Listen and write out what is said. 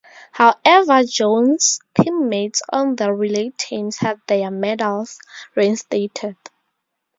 However, Jones' teammates on the relay teams had their medals reinstated.